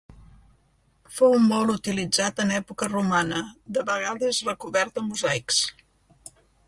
Fou molt utilitzat en època romana, de vegades recobert de mosaics.